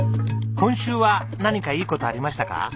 今週は何かいい事ありましたか？